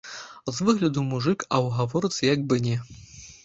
З выгляду мужык, а ў гаворцы як бы не.